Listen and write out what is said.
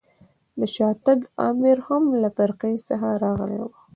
د شاتګ امر هم له فرقې څخه راغلی و.